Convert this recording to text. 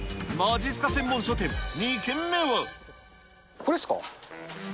これっすか。